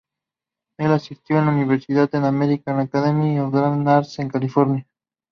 Él asistió a la universidad en American Academy of Dramatic Arts en California.